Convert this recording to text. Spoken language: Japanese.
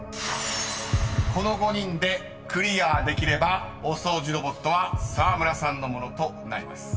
［この５人でクリアできればお掃除ロボットは沢村さんの物となります］